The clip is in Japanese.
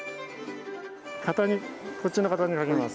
肩にこっちの肩にかけます。